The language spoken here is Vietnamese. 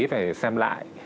phải xem lại